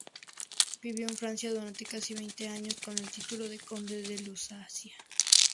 Vivió en Francia durante casi veinte años, con el título de Conde de Lusacia.